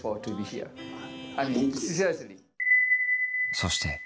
そして。